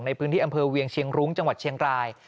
ในพื้นที่อำเภอเวียงเชียงรุ้งจังหวัดเชียงราย